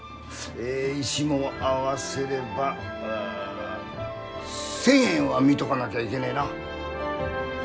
え石も合わせればう１，０００円は見とかなきゃいけねえな。